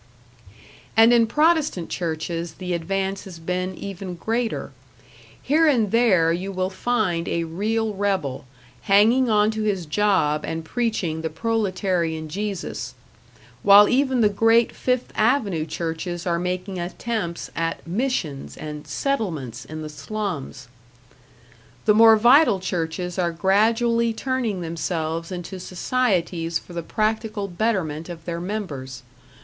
And in Protestant Churches the advance has been even greater. Here and there you will find a real rebel, hanging onto his job and preaching the proletarian Jesus; while even the great Fifth Avenue churches are making attempts at "missions" and "settlements" in the slums. The more vital churches are gradually turning themselves into societies for the practical betterment of their members.